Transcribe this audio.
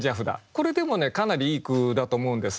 これでもねかなりいい句だと思うんです。